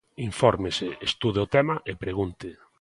Infórmese, estude o tema e pregunte.